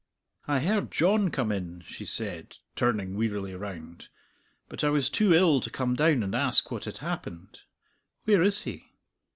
"I heard John come in," she said, turning wearily round; "but I was too ill to come down and ask what had happened. Where is he?"